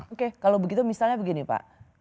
oke kalau begitu misalnya begini pak